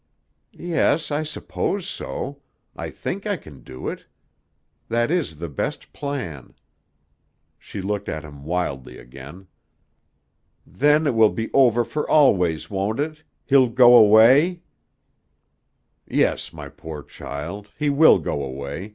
"Yes. I suppose so. I think I can do it. That is the best plan." She looked at him wildly again. "Then it will be over for always, won't it? He'll go away?" "Yes, my poor child. He will go away.